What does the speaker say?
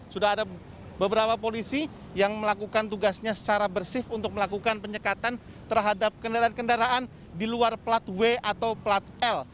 sudah ada beberapa polisi yang melakukan tugasnya secara bersih untuk melakukan penyekatan terhadap kendaraan kendaraan di luar plat w atau plat l